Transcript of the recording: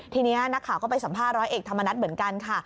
ทีนี้นักข่าวก็ไปสัมภาษณร้อยเอกธรรมนัฐเหมือนกันค่ะ